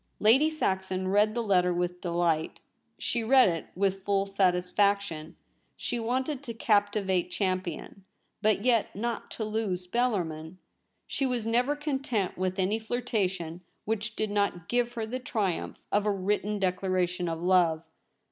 Lady Saxon read the letter with delight ; she read it with full satisfaction. She wanted to captivate Champion, but yet not to lose Bellar min. She was never content with any flirtation which did not give her the triumph of a written declaration of love.